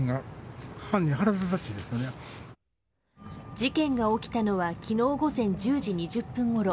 事件が起きたのは昨日午前１０時２０分ごろ。